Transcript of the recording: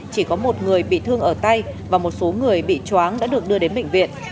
chỉ có một người bị thương ở tay và một số người bị chóng đã được đưa đến bệnh viện